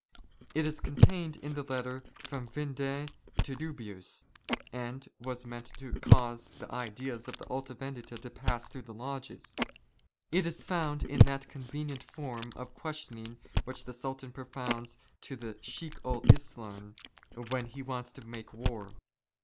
It is contained in a letter from Vindex to JViibius, and was meant to cause the ideas of the Alta Vendita to pass through the lodges. It is found in that convenient form of questioning which the Sultan propounds to the Chiek ul Islam when he wants to make war.